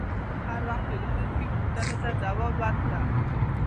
هر وخت د پیرودونکي پوښتنو ته ځواب ورکړه.